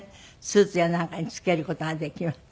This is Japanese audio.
スーツやなんかに付ける事ができます。